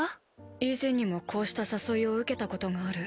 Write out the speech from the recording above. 以前にもこうした誘いを受けたことがある。